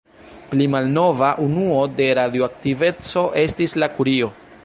Pli malnova unuo de radioaktiveco estis la kurio.